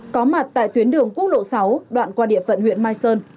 có mặt tại tuyến đường quốc lộ sáu đoạn qua địa phận huyện mai sơn